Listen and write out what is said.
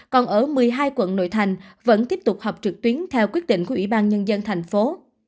còn ở một mươi hai quận nội thành vẫn tiếp tục họp trực tuyến theo quyết định của ủy ban nhân dân thành phố